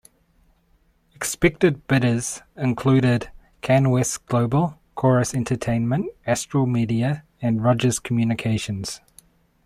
Expected bidders included Canwest Global, Corus Entertainment, Astral Media, and Rogers Communications.